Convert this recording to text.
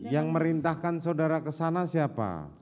yang merintahkan saudara kesana siapa